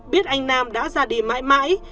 biết anh nam đã ra đi mãi mãi